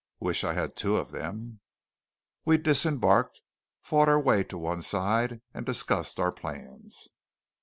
Wish I had two of them!" We disembarked, fought our way to one side, and discussed our plans.